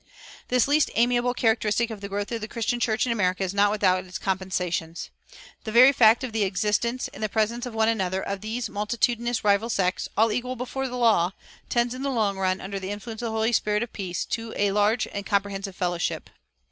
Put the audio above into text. This least amiable characteristic of the growth of the Christian church in America is not without its compensations. The very fact of the existence, in presence of one another, of these multitudinous rival sects, all equal before the law, tends in the long run, under the influence of the Holy Spirit of peace, to a large and comprehensive fellowship.